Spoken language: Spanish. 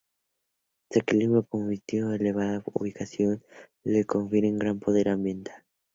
Su equilibrio compositivo y su elevada ubicación le confieren gran poder ambiental.